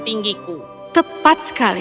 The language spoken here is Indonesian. tinggi ku tepat sekali